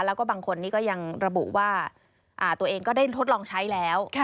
แล้วก็บางคนนี้ก็ยังระบุว่าตัวเองก็ได้ทดลองใช้แล้ว